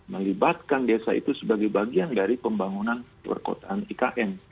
melibatkan desa itu sebagai bagian dari pembangunan perkotaan ikn